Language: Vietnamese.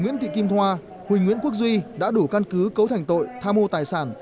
nguyễn thị kim thoa huỳnh nguyễn quốc duy đã đủ căn cứ cấu thành tội tham mô tài sản